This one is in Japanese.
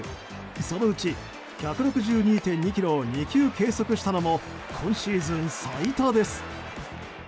そのうち１６２．２キロを２球計測したのも今シーズン最多です。